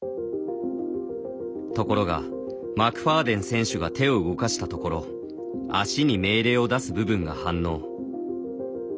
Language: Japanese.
ところがマクファーデン選手が手を動かしたところ足に命令を出す部分が反応。